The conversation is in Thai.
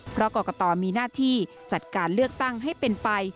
เพราะกรกตมีหน้าที่จัดการเลือกตั้งให้เป็นไป